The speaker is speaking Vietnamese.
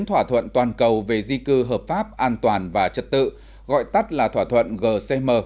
thỏa thuận toàn cầu về di cư hợp pháp an toàn và trật tự gọi tắt là thỏa thuận gcm